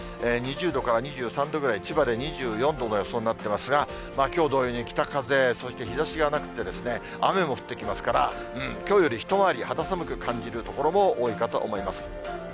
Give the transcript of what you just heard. ２０度から２３度ぐらい、千葉で２４度の予想になっていますが、きょう同様に北風、そして日ざしがなくて、雨も降ってきますから、きょうより一回り肌寒く感じる所も多いかと思います。